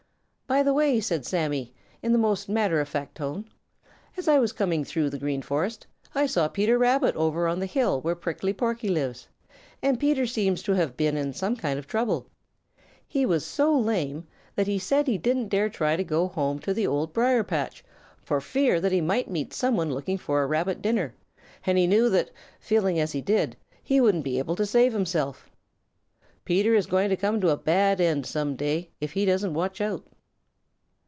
"By the way," said Sammy in the most matter of fact tone, "as I was coming through the Green Forest, I saw Peter Rabbit over on the hill where Prickly Porky lives, and Peter seems to have been in some kind of trouble. He was so lame that he said he didn't dare try to go home to the Old Briar patch for fear that he might meet some one looking for a Rabbit dinner, and he knew that, feeling as he did, he wouldn't be able to save himself. Peter is going to come to a bad end some day if he doesn't watch out."